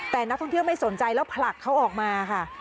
แต่นักท่องเที่ยวไม่สนใจแล้วผลักเขาออกมาค่ะ